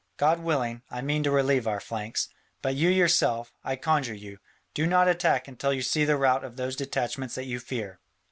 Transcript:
God willing, I mean to relieve our flanks. But you yourself, I conjure you, do not attack until you see the rout of those detachments that you fear."